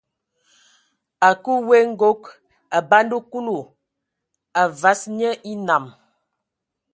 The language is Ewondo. A kǝə we nkog, a banda Kulu, a vas nye enam.